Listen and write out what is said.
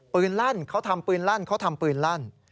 ลั่นเขาทำปืนลั่นเขาทำปืนลั่น